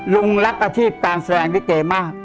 ลุงรักอาทิตย์ต่างแสดงลิเกมาก